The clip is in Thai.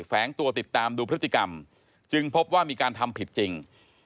แฝงตัวติดตามดูพฤติกรรมจึงพบว่ามีการทำผิดจริง